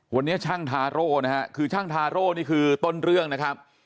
วันนี้ช่างทาโร่นะฮะคือช่างทาโร่นี่คือต้นเรื่องนะครับ